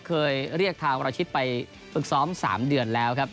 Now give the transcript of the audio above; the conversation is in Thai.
เคยเรียกทางวรชิตไปฝึกซ้อม๓เดือนแล้วครับ